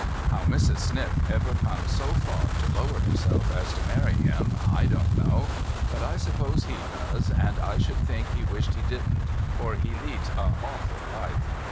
How Mrs. Sniff ever come so far to lower herself as to marry him, I don't know ; but I suppose he does, and I should think he wished he didn't, for he leads a awful life.